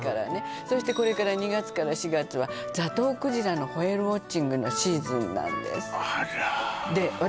そしてこれから２月から４月はザトウクジラのホエールウォッチングのシーズンなんですあらで私